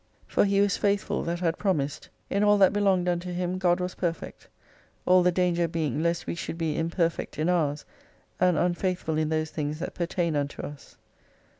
For He was faithful that had promised ; in all that belonged unto Him God was perfect ; all the danger being lest we should be imperfect in ours, and unfaithful in those things that pertain unto us.